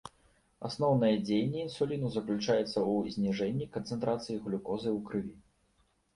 Асноўнае дзеянне інсуліну заключаецца ў зніжэнні канцэнтрацыі глюкозы ў крыві.